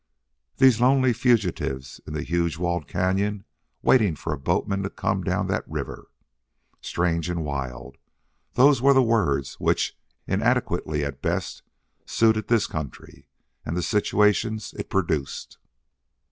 These lonely fugitives in the huge walled cañon waiting for a boatman to come down that river! Strange and wild those were the words which, inadequately at best, suited this country and the situations it produced.